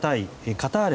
カターレ